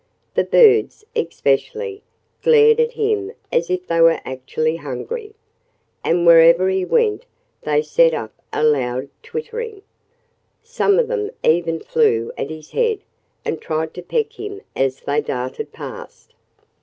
The birds, especially, glared at him as if they were actually angry. And wherever he went they set up a loud twittering. Some of them even flew at his head and tried to peck him as they darted past.